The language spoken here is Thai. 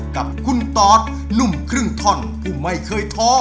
กับคุณตอดหนุ่มครึ่งท่อนผู้ไม่เคยท้อ